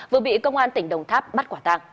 vừa bị công an tỉnh đồng tháp bắt